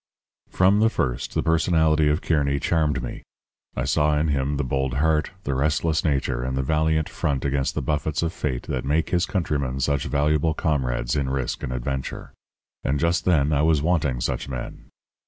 "From the first the personality of Kearny charmed me. I saw in him the bold heart, the restless nature, and the valiant front against the buffets of fate that make his countrymen such valuable comrades in risk and adventure. And just then I was wanting such men.